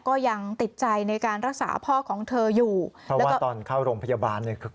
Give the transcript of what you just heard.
ก็ยังติดใจในการรักษาพ่อของเธออยู่เพราะว่าตอนเข้าโรงพยาบาลเนี่ยคือ